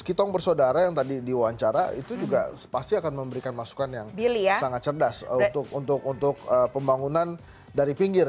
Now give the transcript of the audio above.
kitong bersaudara yang tadi diwawancara itu juga pasti akan memberikan masukan yang sangat cerdas untuk pembangunan dari pinggir